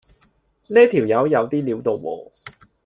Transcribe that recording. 呢條友有啲料到喎